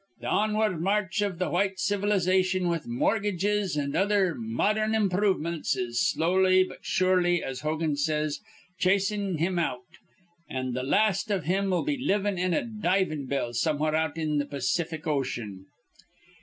Th' onward march iv th' white civilization, with morgedges an' other modhern improvements, is slowly but surely, as Hogan says, chasin' him out; an' th' last iv him'll be livin' in a divin' bell somewhere out in th' Pacific Ocean."